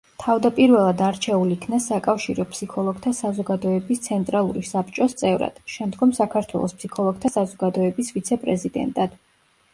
თავდაპირველად არჩეულ იქნა საკავშირო ფსიქოლოგთა საზოგადოების ცენტრალური საბჭოს წევრად, შემდგომ საქართველოს ფსიქოლოგთა საზოგადოების ვიცე-პრეზიდენტად.